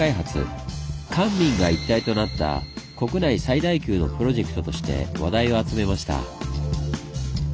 官民が一体となった国内最大級のプロジェクトとして話題を集めました。